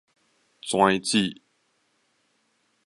跩折